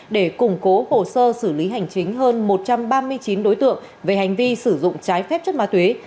để củng cố hồ sơ xử lý hành chính hơn một trăm ba mươi chín đối tượng về hành vi sử dụng trái phép chất ma túy